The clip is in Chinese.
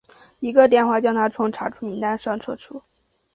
一个电话将他从查处名单上撤除。